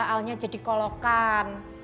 alnya jadi kolokan